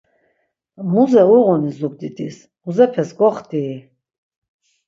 Muze uğuni zugdidis, muzepes goxtii?